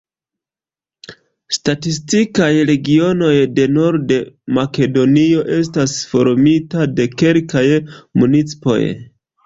Statistikaj regionoj de Nord-Makedonio estas formita de kelkaj municipoj.